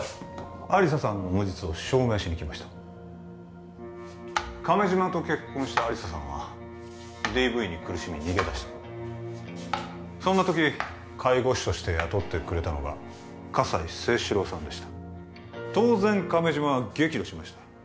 亜理紗さんの無実を証明しに来ました亀島と結婚した亜理紗さんはＤＶに苦しみ逃げ出したそんな時介護士として雇ってくれたのが葛西征四郎さんでした当然亀島は激怒しました